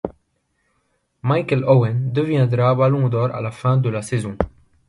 Michael Owen deviendra Ballon d'or à la fin de la saison.